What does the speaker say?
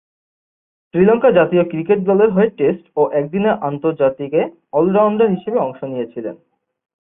শ্রীলঙ্কা জাতীয় ক্রিকেট দলের হয়ে টেস্ট ও একদিনের আন্তর্জাতিকে অল-রাউন্ডার হিসেবে অংশ নিয়েছেন।